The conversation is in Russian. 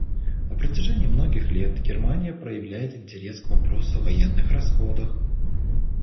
На протяжении многих лет Германия проявляет интерес к вопросу о военных расходах.